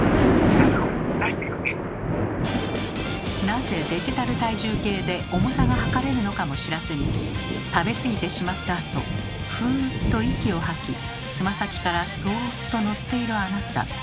なぜデジタル体重計で重さがはかれるのかも知らずに食べ過ぎてしまったあとふっと息を吐きつま先からそっと乗っているあなた。